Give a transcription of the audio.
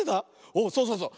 おそうそうそう。